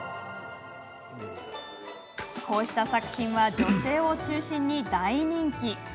こうした作品は女性を中心に大人気。